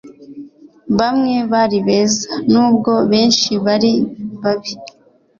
bamwe bari beza, nubwo benshi bari babi